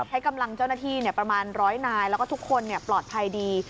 ให้กำลังเจ้าหน้าที่ประมาณร้อยนายแล้วก็ทุกคนปลอดภัยดี